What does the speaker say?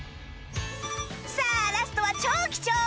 さあラストは超貴重